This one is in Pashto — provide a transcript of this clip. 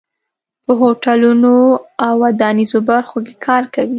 په هوټلونو او ودانیزو برخو کې کار کوي.